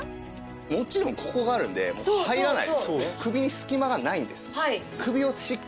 もちろんここがあるので入らない。